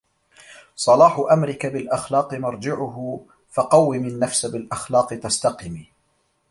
صلاح أمرك بالأخلاق مرجعه فَقَوِّم النفس بالأخلاق تستقم